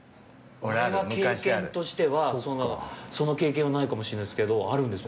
俺は経験としてはその経験はないかもしれないっすけどあるんですね。